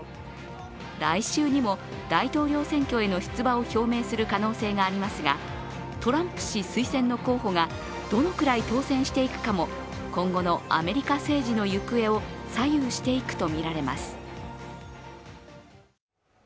来週にも大統領選挙への出馬を表明する可能性がありますがトランプ氏推薦の候補がどのくらい当選していくかも今後のアメリカ政治の行方を左右していくとみられます。